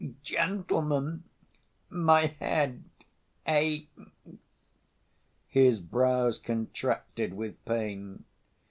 Gentlemen, my head aches ..." His brows contracted with pain.